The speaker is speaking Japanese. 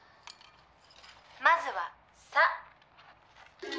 まずは『さ』」。